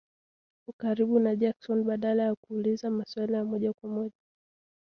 ukaribu na Jackson, badala ya kuuliza maswali ya moja kwa moja